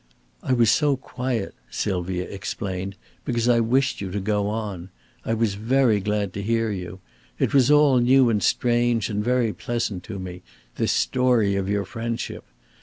"I was so quiet," Sylvia explained, "because I wished you to go on. I was very glad to hear you. It was all new and strange and very pleasant to me this story of your friendship.